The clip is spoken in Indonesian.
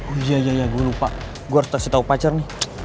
oh iya iya gue lupa gue harus kasih tau pacar nih